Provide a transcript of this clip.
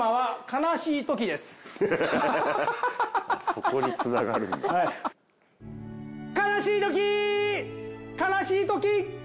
そこにつながるんだ悲しい時悲しい時